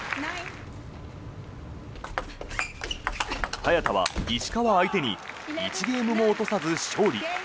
早田は石川相手に１ゲームも落とさず勝利。